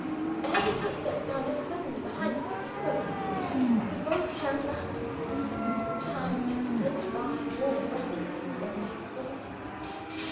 A heavy footstep sounded suddenly behind us as he spoke. We both turned round. Time had slipped by more rapidly than we had thought.